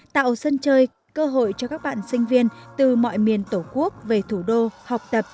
tạo sân chơi cơ hội cho các bạn sinh viên từ mọi miền tổ quốc về thủ đô học tập